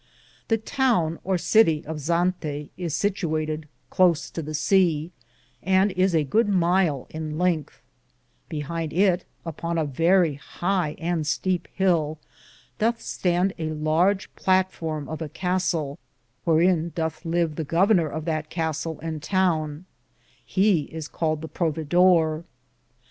The toune or Cittie of Zante is Cittiwated cloce to the seae, and is a good myle in lengthe ; behinde it, upon a verrie hie and stepie hill, Dothe stande a large platforme of a castell, whearin Dothe live the governer of that castell and towne ; he is caled the Pro vidore.'